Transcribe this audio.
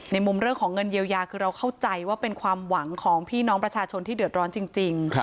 มุมเรื่องของเงินเยียวยาคือเราเข้าใจว่าเป็นความหวังของพี่น้องประชาชนที่เดือดร้อนจริง